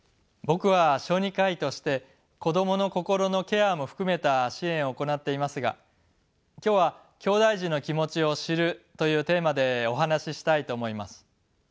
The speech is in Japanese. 僕は小児科医として子どもの心のケアも含めた支援を行っていますが今日はきょうだい児の気持ちを知るというテーマでお話ししたいと思います。